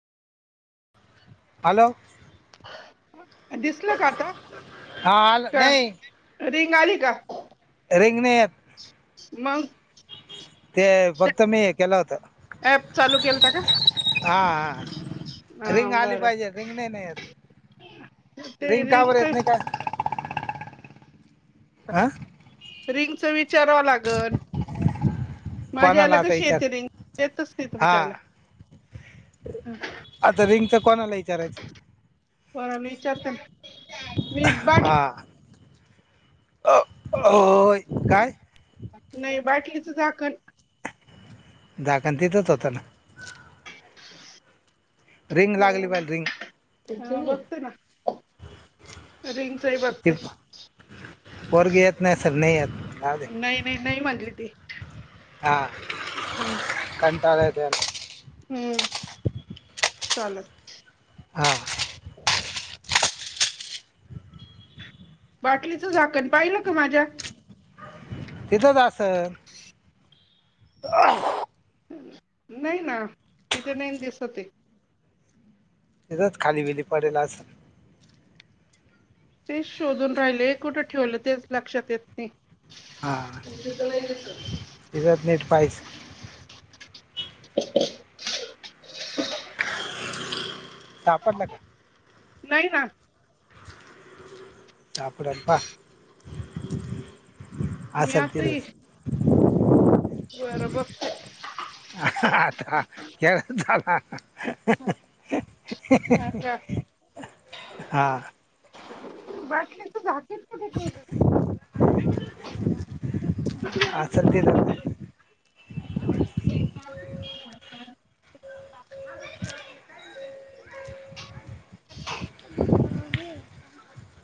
Hello. दिसल का आता त हा आलं नाही प्र पेंग आली का? रेंगण्यात मग ते फक्त मी हे केलं होत ऍप चालू केलता का हा हा रिंग आली बरं पाहिजे रिंग नाही ना येत ते रिंग का बर येत रिंगच नाही का? आह रिंगचं विचा विचारावं लागण माझ्या ह्यला कोणाला आता कशी विचार येते रिंग येतच नाई हा तुमच्या ह्यला हम्म. आता रिंगचं कोणाला विचारायचं व विचारते ना. मी बाट हा. अ होय काय? नाही बाटलीचं झाकण झाकण तिथच होत ना [inaudible] रिंग लागली पाहिजेल रिंग अं बघते ना रिंगचही ती बघते. पोरगी येत नाही सर नाही येत जाऊ दे नाही नाही नाही म्हनली ती. हा. हम्म. चाले ते हम्म चालल हा. बाटलीच झाकण पाहिलं का माझ्या इथंच असलं. [inaudible] नाही ना तिथे नाही ना दिसत आहे. तीतच खाली बिली पडेल असल. तेच शोधून राहिले कुठं ठेवलं तेच लक्षात येत नाही. हा तितच नीट पाईच [inaudible] सापडलं का? नाही ना सापडलं पा मी असलं आता तिथंच येईल बरं बघते आता खेळ झाला आता [inaudible] हां. बाटलीच झाकण कुठे ठेवले ना? असलं तिथं [unintelligible] [inaudible]